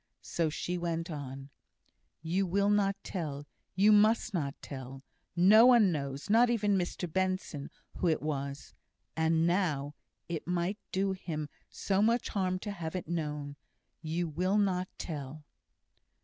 So she went on: "You will not tell! You must not tell! No one knows, not even Mr Benson, who it was. And now it might do him so much harm to have it known. You will not tell!"